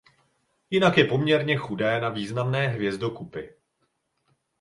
Jinak je poměrně chudé na významné hvězdokupy.